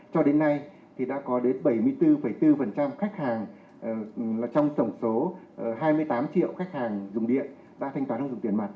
cho đến nay thì đã có đến bảy mươi bốn bốn khách hàng trong tổng số hai mươi tám triệu khách hàng dùng điện đã thanh toán không dùng tiền mặt